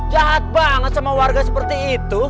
jahat banget sama warga seperti itu